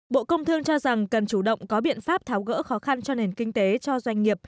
bộ công thương cho rằng cần chủ động có biện pháp tháo gỡ khó khăn cho nền kinh tế cho doanh nghiệp